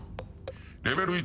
レベル１。